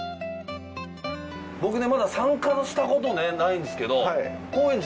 僕ねまだ参加したことないんですけど。